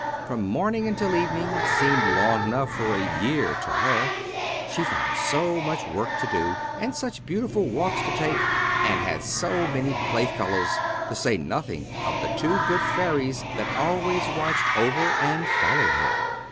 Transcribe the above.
From morning until evening seemed long enough for a year to her; she found so much work to do, and such beautiful walks to take, and had so many playfellows, to say nothing of the two good fairies that always watched over and followed her.